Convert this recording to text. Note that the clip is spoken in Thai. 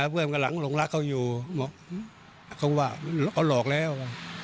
เพื่อนกำลังหลงรักเขาอยู่เขาว่าเราหลอกแล้ว